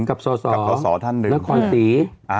กับส่อนครศรี